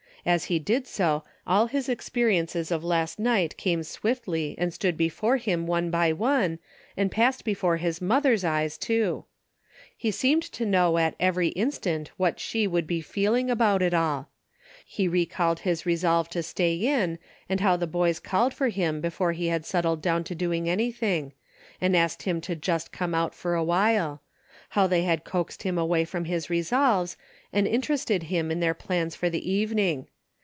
As he did so, all his experiences of last night came swiftly and stood before him one by one, and passed before his mother's eyes too. He seemed to know at every instant what she would be feeling about it all. He recalled his resolve to stay in, and how the boys called for him before he had settled down to doing any thing, and asked him to just come out for a while ; how they had coaxed him away from his resolves, and interested him in their plans 188 A DAILY BATEA' for the evening.